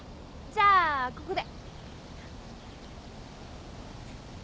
じゃあここで。